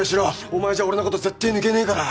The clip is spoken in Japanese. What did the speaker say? お前じゃ俺のこと絶対抜けねえから！